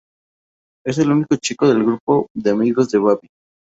Es el único chico del grupo de amigos de Bibi.